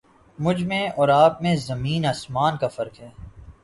مجھ میں اور آپ میں زمیں آسمان کا فرق ہے